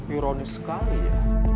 ironis sekali ya